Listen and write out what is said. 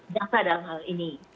jasa dalam hal ini